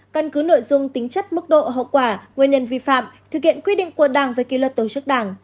căn cứ nội dung tính chất mức độ hậu quả nguyên nhân vi phạm thực hiện quy định của đảng về kỷ luật tổ chức đảng